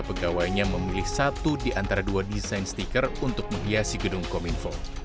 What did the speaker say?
pegawainya memilih satu di antara dua desain sticker untuk menghiasi gedung komunikasi info